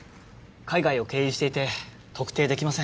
海外を経由していて特定できません。